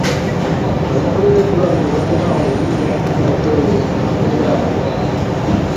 Abakuulira eddwaliro balina obuyinza ku mmotoka eyo etambuza abalwadde.